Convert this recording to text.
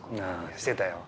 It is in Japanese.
してたよ。